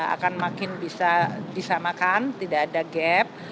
akan makin bisa disamakan tidak ada gap